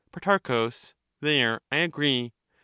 Pro. There I agree.